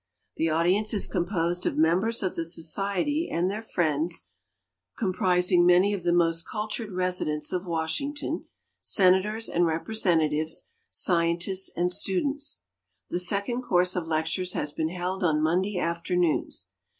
The audience is composed of members of the Society and their friends, com prising many of the most cultured residents of Washington, senators and representatives, .scientists and students. The second course of lectures has been held on Monday afternoons.